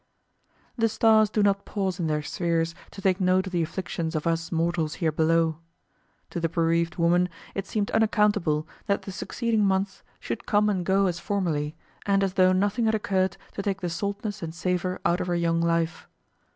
The stars do not pause in their spheres to take note of the afflictions of us mortals here below. To the bereaved woman it seemed unaccountable that the succeeding months should come and go as formerly, and as though nothing had occurred to take the saltness and savor out of her young life.